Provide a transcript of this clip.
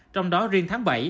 trong đó riêng tháng bảy